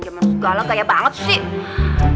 jam dua nya segala kaya banget sih